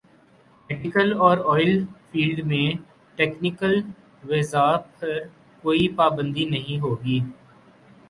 medical اور oil field میں technical visa پر کوئی پابندی نہیں ہوگی